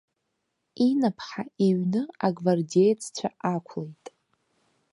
Инаԥҳаиҩны агвардееццәа ақәлеит.